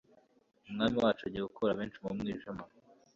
umwami wacu agiye gukura benshi mu mwijima